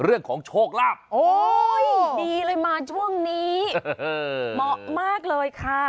เรื่องของโชคลาภโอ้ดีเลยมาช่วงนี้เหมาะมากเลยค่ะ